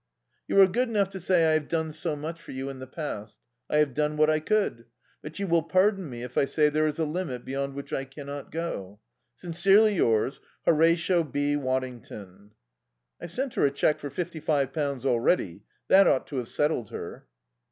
"'You are good enough to say I have done so much for you in the past. I have done what I could; but you will pardon me if I say there is a limit beyond which I cannot go. "'Sincerely yours, "'HORATIO B. WADDINGTON.' "I've sent her a cheque for fifty five pounds already. That ought to have settled her."